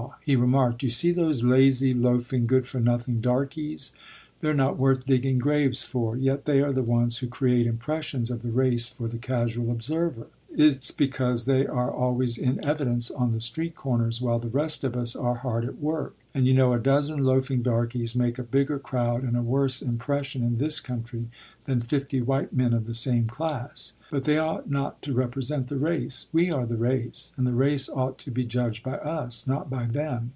He remarked: "You see those lazy, loafing, good for nothing darkies; they're not worth digging graves for; yet they are the ones who create impressions of the race for the casual observer. It's because they are always in evidence on the street corners, while the rest of us are hard at work, and you know a dozen loafing darkies make a bigger crowd and a worse impression in this country than fifty white men of the same class. But they ought not to represent the race. We are the race, and the race ought to be judged by us, not by them.